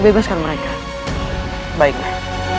menyusahkan mereka baiklah